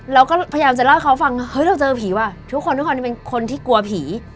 เราก็พยายามจะเล่าให้เขาฟังเฮ้ยเราเจอผีว่ะทุกคนทุกคนเป็นคนที่กลัวผี